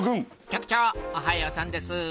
局長おはようさんです。